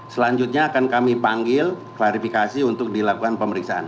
selanjutnya akan kami panggil klarifikasi untuk dilakukan pemeriksaan